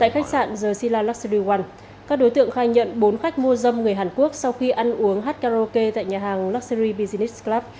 khai nhận bốn khách mua dâm người hàn quốc sau khi ăn uống hát karaoke tại nhà hàng luxury business club